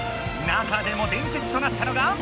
中でも伝説となったのが。